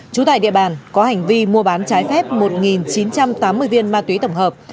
trú tại địa bàn có hành vi mua bán trái phép một chín trăm tám mươi viên ma túy tổng hợp